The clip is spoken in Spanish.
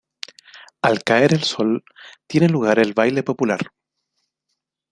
Al caer el sol, tiene lugar el baile popular.